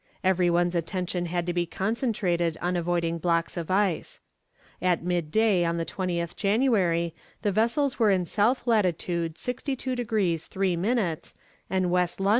Every one's attention had to be concentrated on avoiding blocks of ice. At midday on the 20th January the vessels were in S. lat. 62 degrees 3 minutes and W. long.